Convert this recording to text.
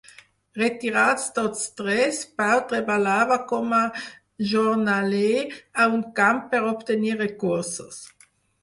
Retirats tots tres, Pau treballava com a jornaler a un camp per obtenir recursos.